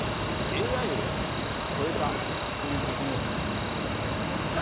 ＡＩを超えたという局面をちょっと見ていただきたいと思うんですけど。